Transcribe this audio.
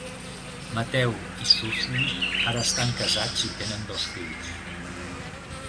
Mateu i Susi ara estan casats i tenen dos fills.